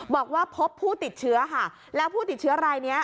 บอกว่าพบผู้ติดเชื้อค่ะแล้วผู้ติดเชื้อรายนี้